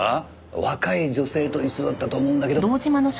若い女性と一緒だったと思うんだけど。